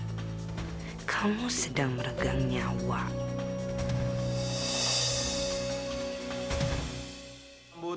dan setiap kamu sadar sesuatu telah terjadi semuanya sudah terlambat